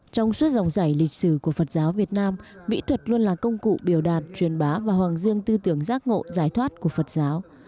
trong suốt dòng giải lịch sử của phật giáo việt nam mỹ thuật luôn là công cụ biểu đạt truyền bá và hoàng dương tư tưởng giác ngộ giải thoát của phật giáo